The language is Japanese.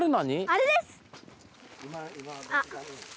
あれです！